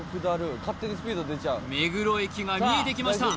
目黒駅が見えてきました